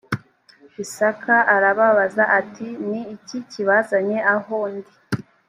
isaka arababaza ati ni iki kibazanye aho ndi